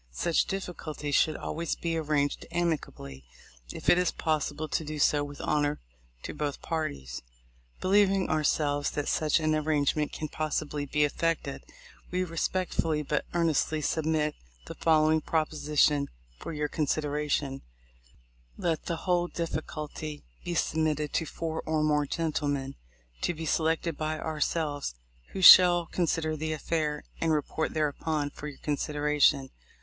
Such difficulties should always be arranged amicably, if it is possible to do so with honor to both parties. Believing, ourselves, that such an arrangement can possibly be effected, we respectfully but earnestly sub mit the following proposition for your consideration: Let the whole difficulty be submitted to four or more gentlemen, to be selected by ourselves, who shall con sider the affair, and report thereupon for your considera tion.